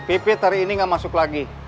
pipit hari ini nggak masuk lagi